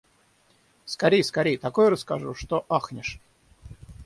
Скорей, скорей, такое расскажу, что ахнешь!